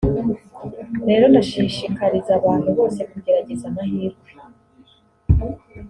Rero ndashishikariza abantu bose kugerageza amahirwe